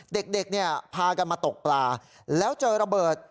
เด็กเนี่ยพากันมาตกปลาแล้วเจอระเบิด